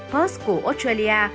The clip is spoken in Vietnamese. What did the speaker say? perth của australia